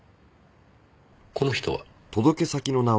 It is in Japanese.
この人は？